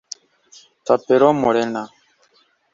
Thapelo Morena